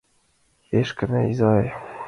Эшкына изай!